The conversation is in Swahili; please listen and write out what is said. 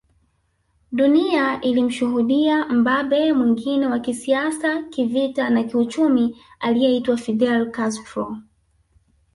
Dunia ilimshuhudia mbambe mwingine wa kisiasa kivita na kiuchumi aliyeitwa Fidel Castro